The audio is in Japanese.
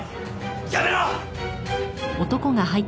やめろ！